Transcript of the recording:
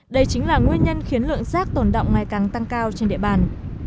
đây chính là nguyên nhân khiến lượng rác tồn động ngày càng tăng cao trên địa bàn